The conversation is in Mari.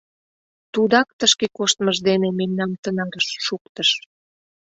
Тудак тышке коштмыж дене мемнам тынарыш шуктыш.